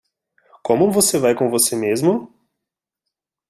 Como você vai com você mesmo?